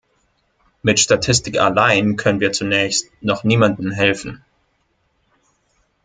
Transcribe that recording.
Mit Statistik allein können wir zunächst noch niemandem helfen.